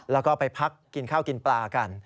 แล้วก็ไปพักกินข้าวกินปลากัน